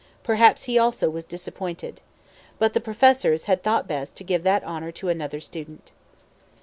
Perhaps he also was disappointed. But the professors had thought best to give that honor to another student.